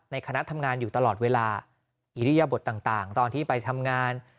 คณะทำงานอยู่ตลอดเวลาอิริยบทต่างตอนที่ไปทำงาน